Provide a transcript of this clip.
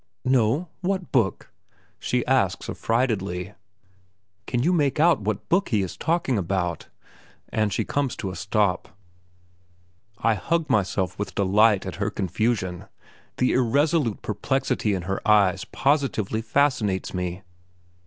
"No; what book?" she asks affrightedly. "Can you make out what book it is he is talking about?" and she comes to a stop. I hug myself with delight at her confusion; the irresolute perplexity in her eyes positively fascinates me.